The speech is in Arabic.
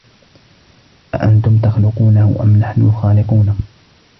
أَأَنتُم تَخلُقونَهُ أَم نَحنُ الخالِقونَ